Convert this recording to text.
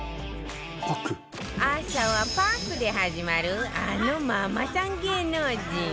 朝はパックで始まるあのママさん芸能人。